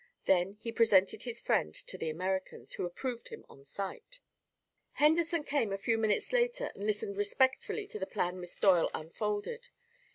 Then he presented his friend to the Americans, who approved him on sight. Henderson came a few minutes later and listened respectfully to the plan Miss Doyle unfolded.